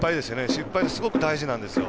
失敗ってすごく大事なんです。